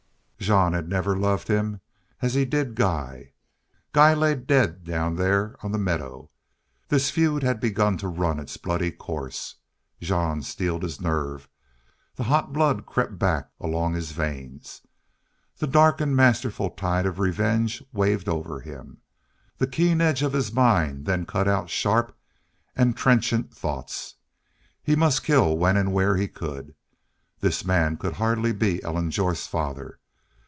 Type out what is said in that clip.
Jean had never loved him as he did Guy. Guy lay dead down there on the meadow. This feud had begun to run its bloody course. Jean steeled his nerve. The hot blood crept back along his veins. The dark and masterful tide of revenge waved over him. The keen edge of his mind then cut out sharp and trenchant thoughts. He must kill when and where he could. This man could hardly be Ellen Jorth's father.